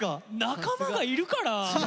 仲間がいるから。